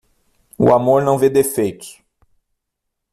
O amor não vê defeitos.